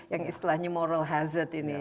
yang istilahnya moral hazard ini